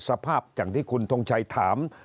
สภาพอย่างที่คุณทงชัยถาม